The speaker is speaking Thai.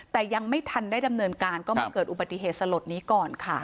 แต่ยังไม่ทันได้ดำเนินการก็มาเกิดอุบัติเหตุสลดนี้ก่อนค่ะ